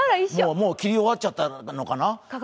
もう切り終わっちゃったのかな。